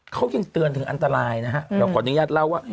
เขายังเตือนถึงอันตรายนะฮะเราขออนุญาตเล่าว่า